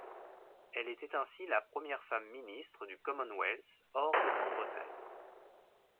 Elle était ainsi la première femme ministre du Commonwealth hors de Grande-Bretagne.